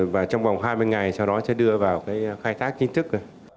và trong vòng hai mươi ngày sau đó sẽ đưa vào cái khai thác kiến thức